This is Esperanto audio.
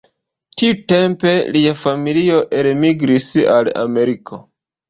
Tiutempe lia familio elmigris al Ameriko.